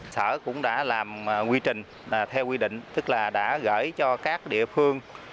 sở cũng đã làm quy trình theo quy định tức là đã gửi cho các địa phương